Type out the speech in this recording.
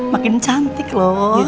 makin cantik lo